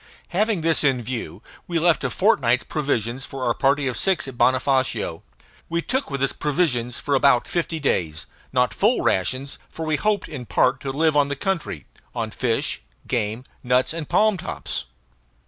Having this in view, we left a fortnight's provisions for our party of six at Bonofacio. We took with us provisions for about fifty days; not full rations, for we hoped in part to live on the country on fish, game, nuts, and palm tops.